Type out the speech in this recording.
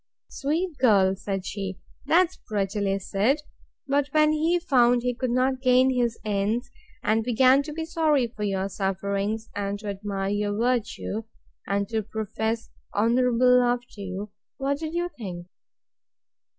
Sweet girl! said she; that's prettily said: But when he found he could not gain his ends, and began to be sorry for your sufferings, and to admire your virtue, and to profess honourable love to you, what did you think?